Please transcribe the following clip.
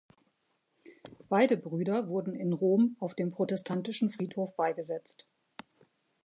Beide Brüder wurden in Rom auf dem Protestantischen Friedhof beigesetzt.